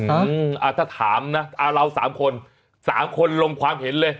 อืมอ่าถ้าถามนะอ่าเราสามคนสามคนลงความเห็นเลย